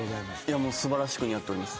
素晴らしく似合っております。